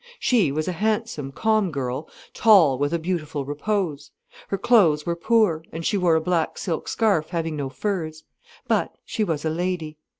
She was a handsome, calm girl, tall, with a beautiful repose. Her clothes were poor, and she wore a black silk scarf, having no furs. But she was a lady.